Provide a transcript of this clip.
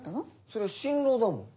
そりゃ新郎だもん。